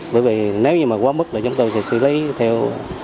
bởi vì nếu như mà quá mức là chúng tôi sẽ xử lý theo